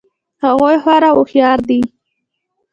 هغوی خورا هوښیار دي